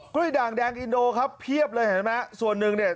ด่างแดงอินโดครับเพียบเลยเห็นไหมส่วนหนึ่งเนี่ย